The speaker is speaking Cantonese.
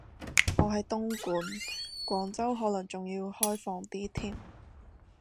我喺東莞，廣州應該可能仲要開放啲添